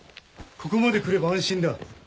・ここまで来れば安心だ。